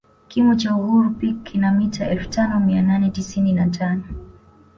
Kimo cha uhuru peak kina mita elfu tano mia nane tisini na tano